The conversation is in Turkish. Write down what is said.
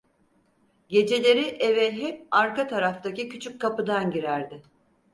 Geceleri eve hep arka taraftaki küçük kapıdan girerdi.